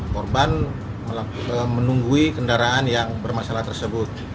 korban menunggui kendaraan yang bermasalah tersebut